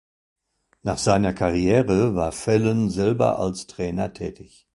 Nach seiner Karriere war Fallon selber als Trainer tätig.